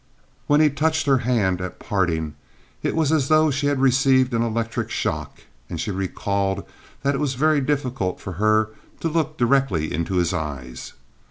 When he touched her hand at parting, it was as though she had received an electric shock, and she recalled that it was very difficult for her to look directly into his eyes.